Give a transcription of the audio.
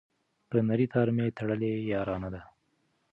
په نري تار مي تړلې یارانه ده